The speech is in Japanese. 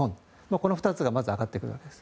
この２つがまず挙がってくるわけです。